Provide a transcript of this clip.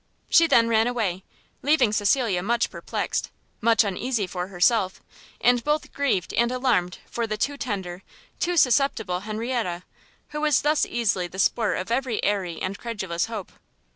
She then ran away; leaving Cecilia much perplexed, much uneasy for herself, and both grieved and alarmed for the too tender, too susceptible Henrietta, who was thus easily the sport of every airy and credulous hope.